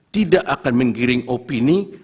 tidak akan menggiring opini